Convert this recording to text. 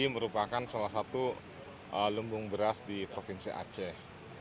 merupakan salah satu lembung beras di provinsi aceh